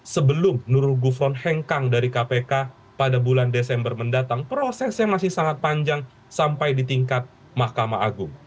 sebelum nurul gufron hengkang dari kpk pada bulan desember mendatang prosesnya masih sangat panjang sampai di tingkat mahkamah agung